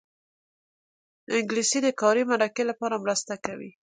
انګلیسي د کاري مرکې لپاره مرسته کوي